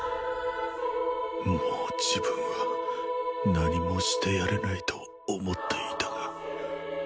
もう自分は何もしてやれないと思っていたが